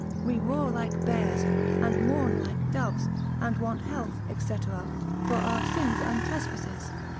We roar like bears, and mourn like doves, and want health, &c. for our sins and trespasses.